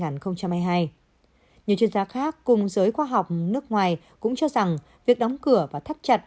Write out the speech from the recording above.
nhiều chuyên gia khác cùng giới khoa học nước ngoài cũng cho rằng việc đóng cửa và thắt chặt